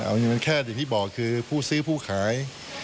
เอาจริงมันแค่อย่างที่บอกคือผู้ซื้อผู้ขาย